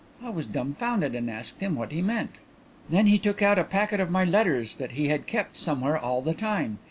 I was dumbfounded and asked him what he meant. "Then he took out a packet of my letters that he had kept somewhere all the time.